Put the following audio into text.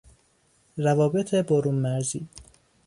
روابط برونمرزی